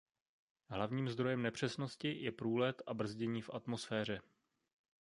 Hlavním zdrojem nepřesnosti je průlet a brzdění v atmosféře.